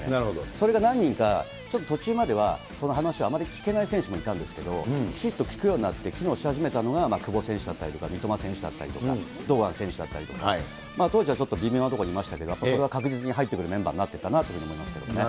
それが何人か、ちょっと途中までは、その話はあまりきけない選手もいたんですけど、きちっときくようになって、機能し始めたのが、久保選手だったりとか、三笘選手だったりとか、堂安選手だったりとか、当時はちょっと微妙なところにいましたけど、やっぱり、これは確実に入ってくるメンバーになってきたなと思いますけどね。